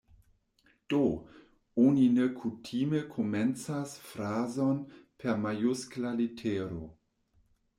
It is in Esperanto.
Do, oni ne kutime komencas frazon per majuskla litero.